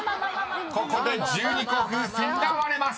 ここで１２個風船が割れます］